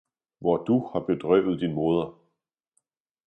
hvor Du har bedrøvet din Moder!